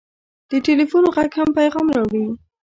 د ټېلفون غږ هم پیغام راوړي.